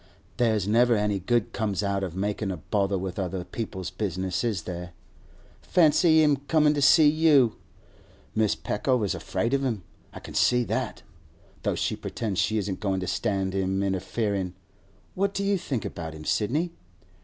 There's never any good comes out of makin' a bother with other people's business, is there? Fancy him comin' to see you! Mrs. Peckover's afraid of him, I can see that, though she pretends she isn't goin' to stand him interferin'. What do you think about him, Sidney?